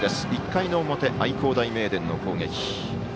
１回の表、愛工大名電の攻撃。